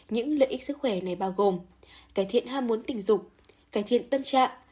những lợi ích sức khỏe này bao gồm cải thiện ham muốn tình dục cải thiện tâm trạng